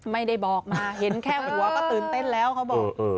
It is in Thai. ไม่ได้บอกมาเห็นแค่หัวก็ตื่นเต้นแล้วเขาบอก